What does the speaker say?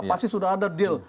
pasti sudah ada deal